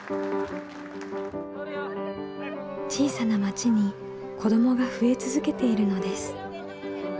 小さな町に子どもが増え続けているのです。